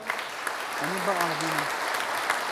Em ê biavînin.